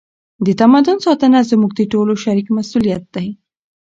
د تمدن ساتنه زموږ د ټولو شریک مسؤلیت دی.